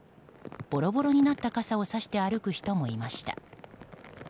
ボロボロになった傘をさして歩く人もいました。